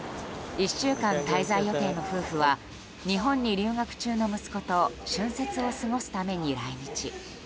１週間滞在予定の夫婦は日本に留学中の息子と春節を過ごすために来日。